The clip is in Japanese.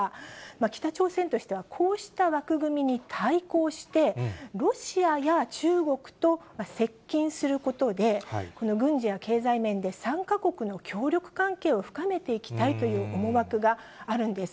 北朝鮮としては、こうした枠組みに対抗して、ロシアや中国と接近することで、この軍事や経済面で３か国の協力関係を深めていきたいという思惑があるんです。